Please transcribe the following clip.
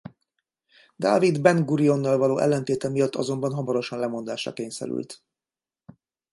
Dávid Ben-Gúriónnal való ellentéte miatt azonban hamarosan lemondásra kényszerült.